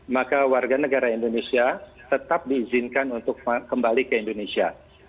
maka warga negara indonesia tetap diizinkan untuk kembali ke indonesia